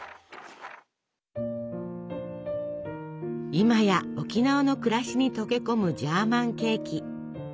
今や沖縄の暮らしに溶け込むジャーマンケーキ。